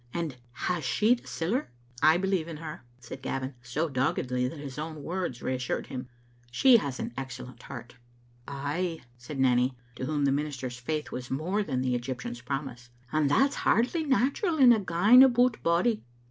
"And has she the siller?" "I believe in. her," said Gavin, so doggedly that his own words reassured him. "She has an excellent heart." *• Ay," said Nanny, to whom the minister's faith was more than the Egyptian's promise, "and that's hardly natural in a gaen aboot body.